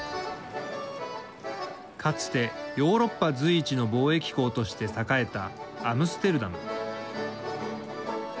かつてヨーロッパ随一の貿易港として栄えたアムステルダム。